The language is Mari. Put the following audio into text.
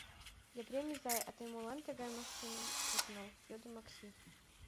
— Епрем изай, а тый молан тыгай машиным от нал? — йодо Макси.